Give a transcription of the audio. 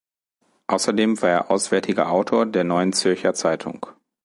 Außerdem war er auswärtiger Autor der Neuen Zürcher Zeitung.